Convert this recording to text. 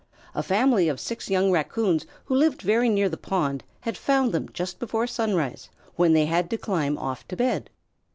A family of six young Raccoons who lived very near the pond had found them just before sunrise, when they had to climb off to bed.